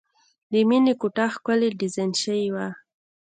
د مینې کوټه ښکلې ډیزاین شوې وه